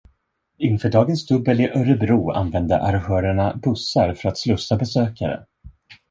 Inför dagens dubbel i Örebro använde arrangörerna bussar för att slussa besökare.